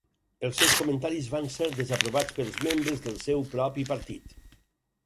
Els seus comentaris van ser desaprovats pels membres del seu propi partit.